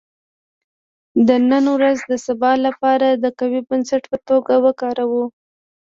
• د نن ورځ د سبا لپاره د قوي بنسټ په توګه وکاروه.